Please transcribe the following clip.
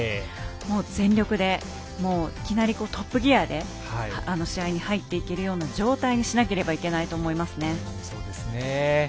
全力でいきなりトップギアで試合に入っていけるような状態にしなければいけないと思いますね。